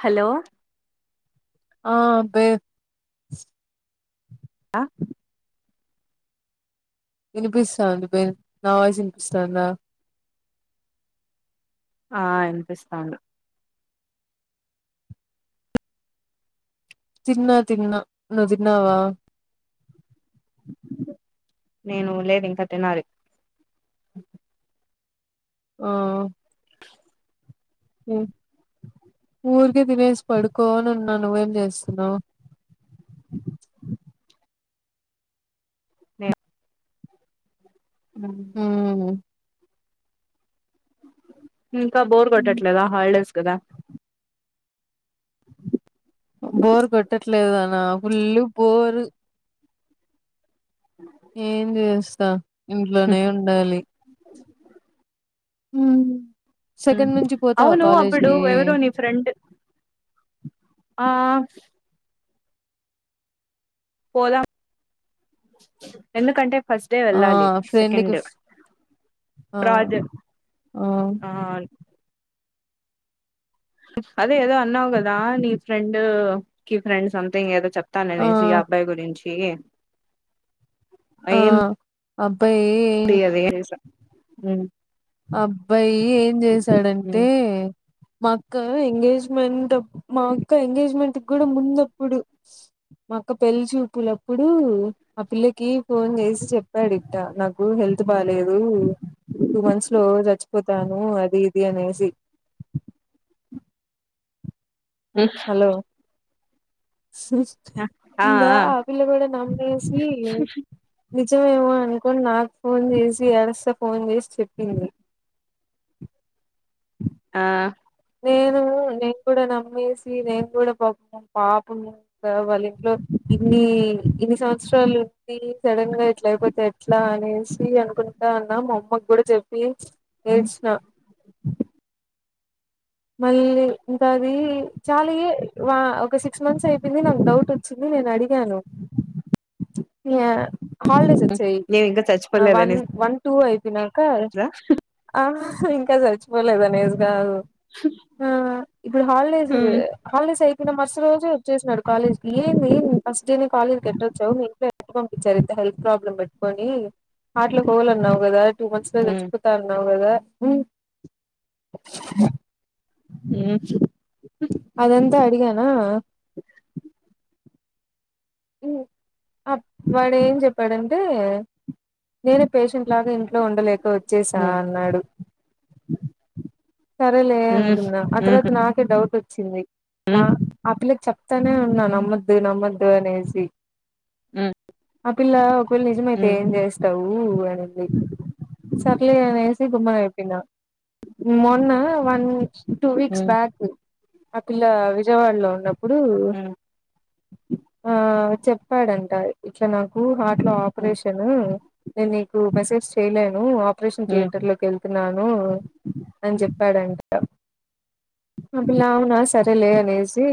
Hello ఆ బే అ వినిపిస్తాంది బె నా వాయసు ఇనిపిస్తన్దా ఆ ఇప్పిస్తాండు తిన్న తిన్న నువ్ తిన్నావా నేను లేదు ఇంక తినాలి ఉమ్ ఉ ఊరికే తినేసి పడుకో అని ఆన్నా నువ్వేం చేస్తున్నావు నేను ఉ ఉ ఊ ఇంకా బోర్ కొట్టట్లేదా హాలిడేస్ కదా బోర్ కొట్టట్లేదనా ఫుల్లు బోరు ఏం జేస్తా ఇంట్లోనే ఉండాలి ఊ సెకండ్ నుంచి పోతవా కాలేజ్కి ఫ్రెండు ఆ పోదాం ఎందుకంటే ఫస్ట్ డే ఆ వెళ్ళాలి ఫ్రెండ్కి సెకండ్ ఆ రాజ ఆ ఆన్ అదే ఏదో అన్నావు గదా నీ ఫ్రెండ్ కి ఫ్రెండ్ సంథింగ్ ఏదో చెప్ తననేసి ఆ అబ్బాయి గురించి ఆ అబ్బాయీ ది అదే చేసా ఉమ్ అబ్బాయి ఏం చేసాడంటే మా అక్క ఎంగేజ్మెంట్ మా అక్క ఎంగేజ్మెంట్ కు కూడా ముందడప్పుడు మా అక్క పెళ్ళి చూపులప్పుడు ఆ పిల్లకి ఫోన్ చేసి చెప్ప డు ఇట్ట నాకు హెల్త్ బాలేదు టూ మంత్స్ రోజు చచ్చిపోతాను అది ఇది అనేసి ఉ హలో ఇంగా ఆ పిల్ల కూడ నమ్మేసి నిజమేమో అనుకోని నాకు ఫోన్ చేసి ఏడుస్తా ఫోన్ చేసి చెప్పింది ఆ నేను నేను కూడా నమ్మేసి నేను కూడా పాపము వాళ్ళ ఇంట్లో ఇన్ని ఇన్ని సంవత్సరాలు ఉంది సడన్ గా ఇట్ల అయిపోతే ఎట్లా అనేసి అనుకున్న అన్న మా అమ్మకి కూడా చెప్పి ఏడ్చిన మళ్ళీ ఇంత అది చాలి ఒక సిక్స్ మంత్స్ అయిపోయింది నాకు డౌట్ వచ్చింది నేను అడిగాను ఇయా హాలిడేస్ ఒచ్చాయి నేను ఇంకా వన్ చచ్చిపోలేదనేసా వన్ టూ అయిపినాక ఆ హహ ఇంకా చచ్చిపోలనేది గాదు ఆ ఇప్పుడు హాలిడేస్ ఉమ్ హాలిడేస్ అయిపోన మరుస రోజే ఓచ్చసినడు కాలేజీ కి ఏంది ఏ ఫస్ట్ డే కాలేజ్ కి ఎట్టచ్చవు మీ ఇంట్లో ఎట్లా పంపించారు అ హెల్త్ ప్రాబ్లమ్ పెట్టుకొని హార్ట్ లో హోలన్నావు గదా టూ మంత్స్ లో ఉమ్ చచ్చిపోతాన్నావు గదా ఉ చూ అదంత అడిగనా అ వాడేం చెప్పాడంటే నేనే పేషెంట్ లాగా ఇంట్లో ఉండలేక వచ్చేసా అన్నాడు సరేలే హ్మ్ అనుకున్న ఆ హ్మ్ తర్వాత నాకే డౌట్ వచ్చింది న హ్మ్. ఆ పిల్లకి చెప్తానే ఉన్నా నమ్మద్దు నమ్మద్దు అనేసి హ్మ్. ఆ పిల్ల ఒకవేళ నిజమైతే హ్మ్. ఏం చేస్ తవు అనింది సర్లే అనేసి గమ్మున అయిపోయినా మొన్న వన్ టూ వీక్స్ హ్మ్. బ్యాక్ ఆ పిల్ల విజయవాడలో ఉన్నప్పుడు హ్మ్. అ చెప్పాడంట ఇట్లా నాకు హార్ట్ లో హ్మ్. ఆపరేషన్ ఉమ్ నేను నీకు మెసేజ్ చేయలేను ఆపరేషన్ హ్మ్. థియేటర్ లోకి వేల్ తున్నాను అని చెప్పాడంట ఆ పిల్ల అవునా సరేలే అనేసి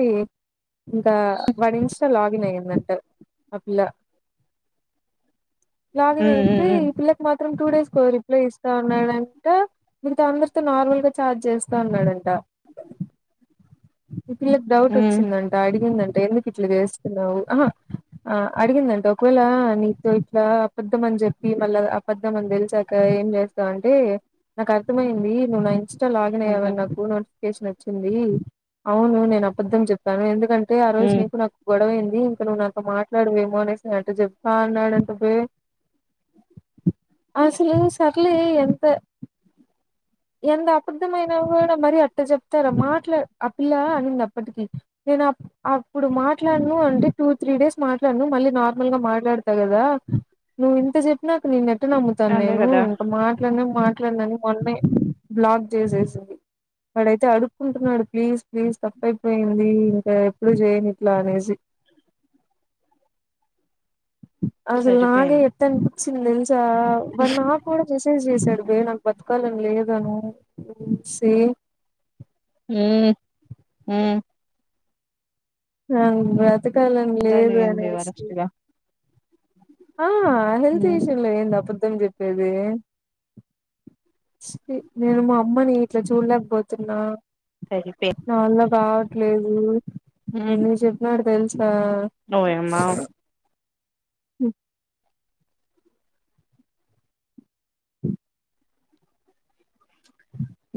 ఇంకా వాడి ఇన్స్టాలా లా గిన్ అయిదంట ఆ పిల్ల లాగిన్ అయ్యితే ఈ హ్మ్. పిల్ల మాత్రం టూ డేస్ కు రిప్లై ఇస్తాన్నాడంట మీగత అందరితో నార్మల్ గా చాట్ చేస్తా ఉన్నాడంట ఈ పిల్లకు హ్మ్. డౌట్ హ్మ్. వచ్చిందంట అడిగిందంటే ఎందుకు ఇట్లా చేస్త న్నావు ఆహా ఆ అడిగిందంట ఒకవేళ నీతో ఇట్లా అబద్ధం అని చెప్పి మళ్ళా అబద్ధం అని తెలిసాక ఏం చేస్త అంటే నాకు అర్థమైంది నువు నా ఇన్ ఇన్స్టా లాగిన్ అయ్యావ్ హుహు. అని నాకు నోటిఫికేషన్ వచ్చింది అవును నేను అబద్ధం చెప్ ప్పాను ఎందుకంటే ఆ రోజు హ్మ్. నీకు నాకు గొడవైంది ఇంక నువ్వు నాతో మాట్లాడవేమో అనేసి నేను అట్ట చెప్తా అన్నాడంట వే అసలు సర్లే ఎంత ఎంత అబద్ధమయినా కూడా మరి అట్ట చెప్తారా మాట్లా ఆ పిల్ల అనింది అప్పటికి నేను అప్ అప్పుడు మట్ మాట్లాడను అంటే టూ త్రీ డేస్ మాట్లాడను మళ్ళీ నార్మల్ గా మాటాడత కదా నువ్ ఇంత చెప్ న్నాక నిన్నేట్ట నమ్ముతాను అదే నేను గదా! ఇంక మాట్లడనే మా ట్లానని మొన్నే బ్లాక్ చేసేసింది వాడైతే అడుకుంటున్నాడు ప్లీజ్ ప్లీజ్ తప్పు అయిపోయింది ఇంకా ఎప్పుడు చేయను ఇట్ల అనేసి అసలు నాకె సరిపోయింది. తను పిచ్చిది తెల్సా వాడు నాకుడ మెసేజ్ చేసాడు బె నా బతకాలని లేదను ఉమ్ సి ఊ ఉ నాకు బ్రతకాలనీ లేదు అర్థాలైంది అనేసి వరస్ట్‌గా. ఆ హెల్త్ హ్మ్. ఇష్యూ లో ఏంది అబద్ధం చెప్పేది చి నేను మా అమ్మని ఇట్లా చూడలేకపోతున్నా సరి పేంది నావల్ల కావట్లేదు ఎన్ని చెప్పినడు తెలుసా నువ్ ఏమనావ్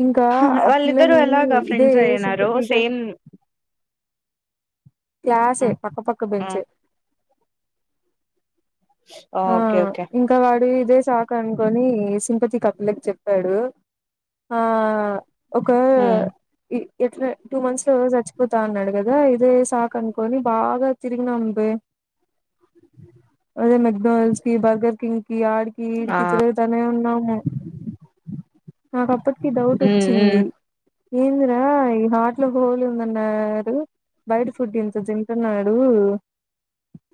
ఇంకా హా ఆ వాళ్ళిద్దరు పిల్లని ఎలాగా ఇదే ఫ్రెండ్స్ అయినారు సింపతిగా సేమ్ ఆ! క్లాసే పక్కపక్క ఆ! బెంచే ఆ ఓకే. ఓకే. ఇంకా వాడు ఇదే సాకు అనుకని సింపతికి ఆ పిల్లకి చెప్పాడు ఆ ఒక హ్మ్. ఇ ఎట్లా టూ మంత్స్ లో చచ్చిపోతా అన్నాడు కదా ఇదే సాక్ అనుకొని బాగా తిరిగిన అం బే ఆదే మెక్డోనల్డ్స్ బర్గర్ కింగ్ కి యడి ఆ! ఈడికి తిరుగుతనే ఉన్నాము నాకు అప్పటికి డౌట్ హ్మ్. వచ్చింది హ్మ్. ఏందిరా ఈ హాట్ లో హోల్ ఉందన్నారు బయట ఫుడ్ ఇంత తింటున్నాడు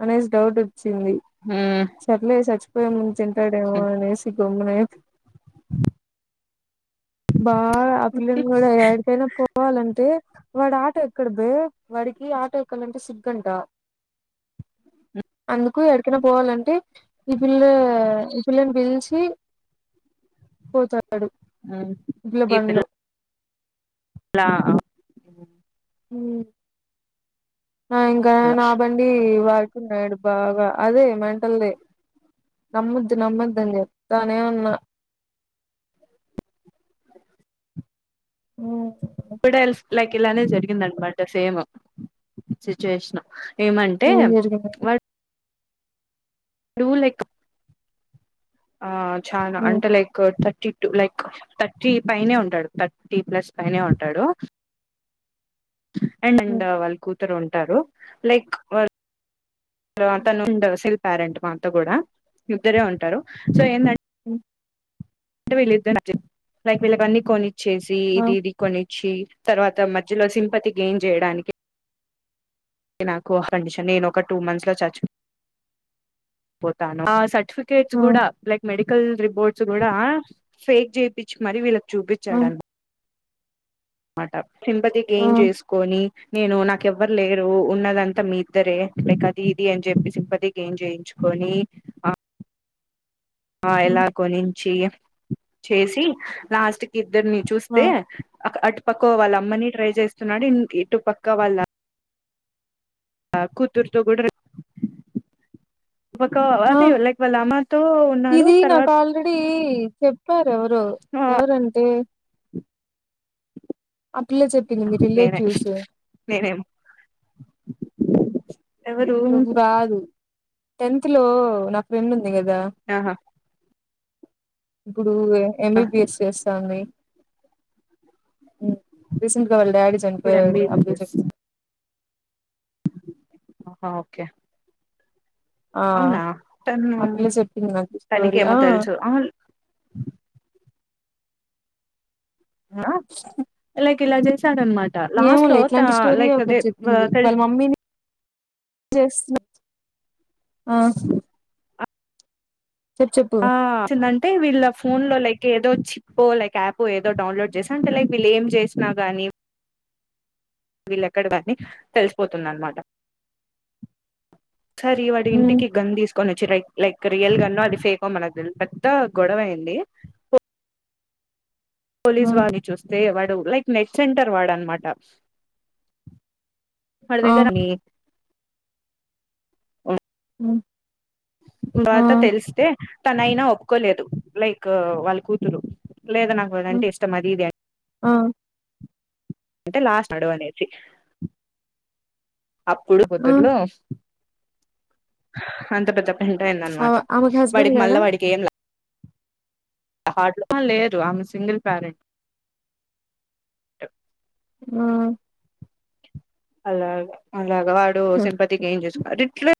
అనేసి డౌట్ వచ్చింది ఊ సర్లే చచ్చిపోయా ముందు తింటాడేమో అనేసి గమ్మునే బాగా అ పిలని కూడా యాడికైనా పోవాలంటే వాడు ఆటో ఎక్కడు బె వాడికి ఆటో ఎక్కాలంటే సిగ్గంట అందుకు ఎడికనా పోవాలంటే ఈ పిల్లె ఈ పిల్లని పిలిచి పోతాడు ఊ ఇడ్లబండ్లు లా ఊ ఆ ఇంకా పిల్ల. నా బండ్ డి వాడుతున్నాడు బాగా అదే మెంటల్ ది నమ్మద్దు నమ్మద్ అని చెప్తానే ఉన్నా ఆ వుడ్ ఎల్స్ లైక్ ఇలానే జరిగింద అనమాట సేమ్ సిచ్యువేషన్ ఏమంటే ఏం జరిగింది వా డూ లైక్ ఆ చా హ్మ్. అంటే లైక్ థర్టీ లైక్ థర్టీ పైనే ఉంటాడు థర్టీ ప్లస్ పైనే ఉంటాడు అండ్ హ్మ్. వాళ్ళు కూతురు ఉంటారు లైక్ అ తను ఉండ సిల్ ప్యారెంట్ మా అంత కూడా ఇద్దరే ఉంటారు సో ఏందంటే అహ అంటే వీళ్ళద్దరూ లైక్ వీళ్ళకి అన్ని కొనిచ్చేసి ఆ ఇది ఇది కొనిచ్చి తర్వాత మధ్యలో సింపతి గెయిన్ చేయడానికి నాకు కండిషన్ నేను ఒక టూ మంత్స్ లో చచ్చి పోతాను సర్టిఫికెట్స్ ఆ కూడా లైక్ మెడికల్ రిపోర్ట్స్ కూడా ఫేక్ చేపిచీ మరి పెట్ ఆ చూపించడం అనమాట సింపతి ఆ గెయిన్ చేసుకొని నేను నాకెవ్వరు లేరు ఉన్నదంతా మీ ఇద్దరే లైక్ అది ఇది అని చెప్పేసి సింపతీ గెయిన్ చేయించుకొని ఆ హ్మ్. ఎలా కొనించి చేసి లాస్ట్ కి ఇద్దరిని ఆ చూస్తే అటు పక్క వాళ్ళ అమ్మని ట్రై చేస్తున్నాడు ఇటు పక్క వాళ్ళ కూతురుతో కూడా ఒక ఆ అ లైక్ వాళ్ళ అమతో ఉన్నాడు ఇది నాకు తర్వాత ఆల్రెడీ చెప్పారు ఎవరో ఎవరంటే ఆ పిల్ల చెప్పింది మీ రిలేటివ్స్ నేనేం నువ్వు కాదు టెన్త్ లో నా ఫ్రెండ్ ఉంది కదా ఆహా ఇప్పుడు ఎంబిబిఎస్ చేస్తాంది రీసెంట్ గా వాళ్ళ డాడీ ఇప్పుడు చనిపోయాడు అబ్లు ఎంబీబిఎస్ చెప్పపోడు హా ఓకే అవునా తను ఆ పిల్ల చెప్పింది నాకు స్టోరి ఆ ఆల్ ఆ లైక్ ఇలా చేశాడనమా ఏమోలే ఇట్లాంటి స్టోరీయే ఒకటి చెప్పింది వాళ్ళ తెలుసు మమ్మీని చేస్న ఆ చెప్పు చెప్పు ఆ తిన అయితే వీళ్ళ ఫోన్ లో లైక్ ఏదో చిప్ప లైక్ యాప్ ఏదో డౌన్లోడ్ చేసా అంటే లైక్ వీళ్ళ ఏం చేసినాగాని వీళ్ళెక్కడవని తెలిసిపోతుందనమాట కరి వాడి ఉమ్ ఇంటికి గందిీసు కొన్ని చిరై లైక్ రియల్ గాన్నో అది ఫేకో మనకు తెలదు పెద్ద గొడవ అయింది ఆ పోలీస్ వాడిని చూస్తే వాడు లైక్ నెట్ సెంటర్ వాడ అనమాట వాడి ఆ దగర నీ ఉ బత తెలిస్తే తన అయినా ఒప్పుకోలేదు లైక్ వాళ్ళ కు లేద ఉమ్ నాకదంటే ఇష్టం అది ఇది ఆ అంటే లాస్ట్ అడవు అనేసి అప్పుడు ఆ కుద్దుర్లో అంత పెద్ద పెంట అయింది ఆవ అనమాట ఆమెకు హస్బెండ్ వాడికి మళ్ళా లేడా వాడికి ఏంల హా లేరు ఆమె సింగిల్ పారెంట్. ఆ అలాగా అలాగా వాడు హ, సింపతి గేయిన్ చేసుకోనాడు అది ఎట్లా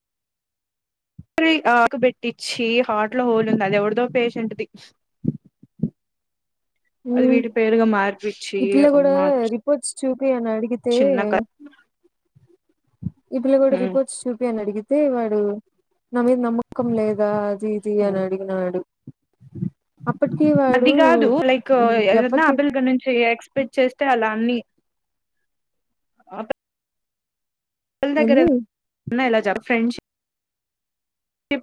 ఆకుబెట్టిచి హార్ట్ లో హోల్ ఉంది అది ఎవరిదో పేషెంట్దిి అది ఉమ్ వీటి పేరుగా మార్పిచ్చి మార్చు వచ్చి చూపీ అని అడిగితే ఈ పిల్ల కూడా రిపోర్ట్స్ చూపీ అని అడిగితే వాడు నా మీద నమ్మ ఖం లేదా అది ఇది అని అడిగినాడు అప్పటికి వాడు అది కాదు లైక్ ఉమ్, ఏదనా ఎవరికి అబిల్గ నుంచి ఎక్స్పెక్ట్ చేస్తే అలా అన్ని దగ్గర ఏంది [unintelligible] ఫ్రెండ్షిప్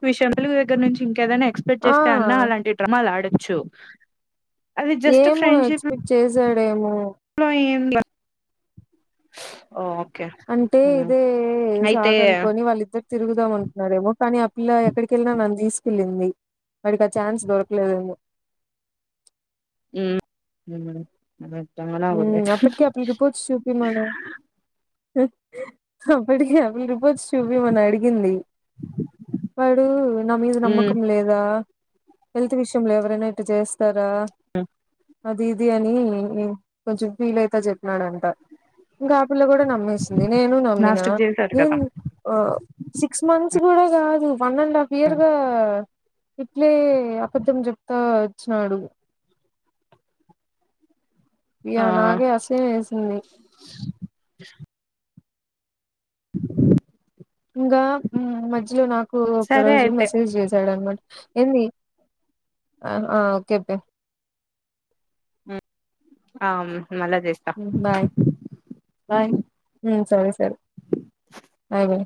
విషిం పిల్ల దగ్గర నుంచి ఇంకేదైనా ఎక్స్పెక్ట్ ఆ చేస్తాందా అలాంటి డ్రమాలు ఆడొచ్చు అది జస్ట్ ఏమో ఫ్రెండ్షిప్ ఎక్స్పెక్ట్ చేసాడేమో [unintelligible] ఓ ఓకే అంటే ఇదే అయితే సాకు అనుకొని వాళ్ళిద్దరు తిరుగుదాం అనుకున్నాడేమో కానీ ఆ పిల్ల ఎక్కడికి ఎళినా నన్ను తీసుకెళ్ళింది వాడికి ఆ ఛాన్స్ దొరకలేదేమో హ్మ్ [unintelligible] అప్పటికే ఆ పిల్ల రిపోర్ట్స్ చూపి మన అప్పటికే ఆ పిల్ల రిపోర్ట్స్ చూపి మని అడిగింది వాడు నా మీద నమ్మకం లేదా హెల్త్ విషయంలో ఎవరైనా ఇట చేస్తారా స అది ఇది అని కొంచెం ఫీల్ అయితా చెప్పినాడంట ఇంకా ఆ పిల్ల కూడా నమి నమేసింది నేను నమ్మినా లాస్ట్ కి చేసారు కదా ఏంద్ సిక్స్ మంత్స్ కూడా కాదు వన్ అండ్ హాఫ్ ఇయర్ గా ఇట్లే అబద్ధం చెప్తా వచ్చినాడు ఇగ ఆ నాకే అసయం వేసింది ఇంగా మధ్యలో నాకు సరే ఒకరోజు అయితే మెసేజ్ చేసాడనమాట ఏంది ఆ ఓకే కే ఆ మళ్ళ చేస్తా బాయ్ హ్మ్ సరే సరే బాయ్ బాయ్